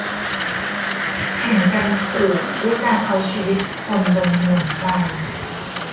แข่งกันถูกด้วยการเอาชีวิตคนบนถนนไป